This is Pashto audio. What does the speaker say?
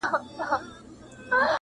آسمانه واخله ککرۍ درغلې!.